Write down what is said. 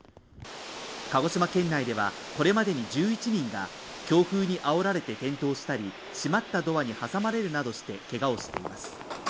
鹿児島県内ではこれまでに１１人が強風にあおられて転倒したり閉まったドアに挟まれるなどしてけがをしています。